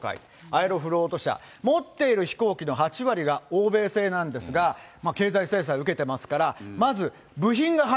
アエロフロート社、持っている飛行機の８割が欧米製なんですが、経済制裁を受けてますから、まず、欧米からね。